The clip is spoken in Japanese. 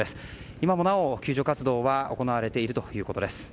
今もなお、救助活動が行われているということです。